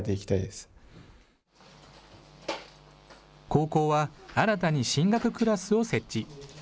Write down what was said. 高校は、新たに進学クラスを設置。